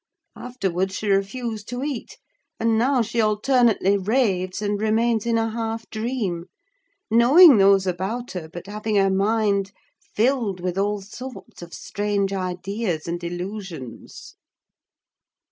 Afterwards, she refused to eat, and now she alternately raves and remains in a half dream; knowing those about her, but having her mind filled with all sorts of strange ideas and illusions."